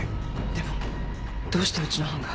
でもどうしてうちの班が？